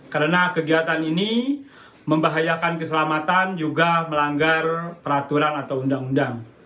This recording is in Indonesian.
karena kegiatan ini membahayakan keselamatan juga melanggar peraturan atau undang undang